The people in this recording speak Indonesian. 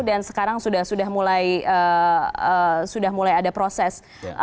dan sekarang sudah mulai ada proses